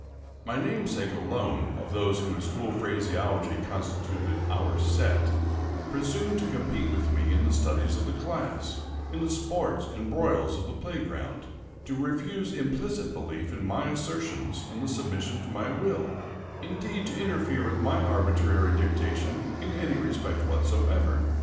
My namesake alone, of those who in school phraseology constituted "our set," presumed to compete with me in the studies of the class—in the sports and broils of the play ground—to refuse implicit belief in my assertions, and submission to my will—indeed, to interfere with my arbitrary dictation in any respect whatsoever.